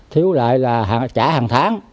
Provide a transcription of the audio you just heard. thiếu lại là trả hàng tháng